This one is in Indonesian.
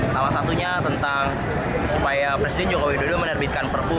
salah satunya tentang supaya presiden jokowi dodo menerbitkan perpuh